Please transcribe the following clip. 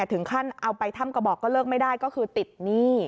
ถึงขั้นเอาไปถ้ำกระบอกก็เลิกไม่ได้ก็คือติดหนี้